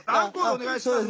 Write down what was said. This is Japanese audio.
お願いします。